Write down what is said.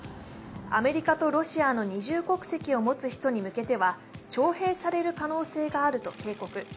アメリカとロシアの二重国籍を持つ人に向けては徴兵される可能性があると警告。